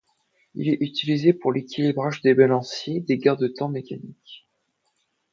Il est utilisé pour l'équilibrage des balanciers des garde-temps mécaniques.